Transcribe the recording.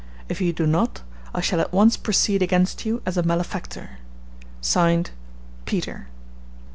If you do not, I shall at once proceed against you as a malefactor. (Signed) PETER."